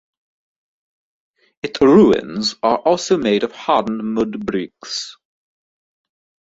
Its ruins are also made of hardened mud bricks.